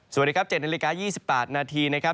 สวัสดีครับ๗นาฬิกา๒๘นาทีนะครับ